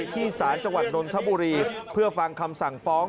ที่ศาลจังหวัดนนทบุรีเพื่อฟังคำสั่งฟ้อง